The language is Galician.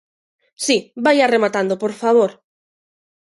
Si, vaia rematando, por favor.